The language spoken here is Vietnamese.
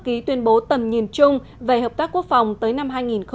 ký tuyên bố tầm nhìn chung về hợp tác quốc phòng tới năm hai nghìn ba mươi